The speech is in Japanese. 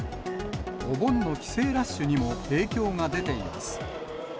お盆の帰省ラッシュにも影響が出ています。